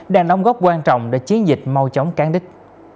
đang đóng góp quan trọng để chiến dịch mau chóng cán đích